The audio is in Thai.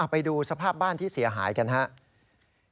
ไปดูสภาพบ้านที่เสียหายกันครับ